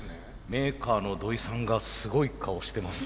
メーカーの土井さんがすごい顔してますけど。